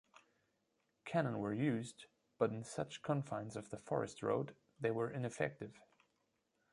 Cannon were used, but in such confines of the forest road, they were ineffective.